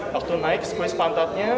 tukun naik squeeze pantatnya